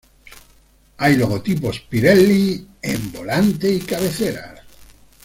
Hay logotipos "Pirelli" en volante y cabeceras.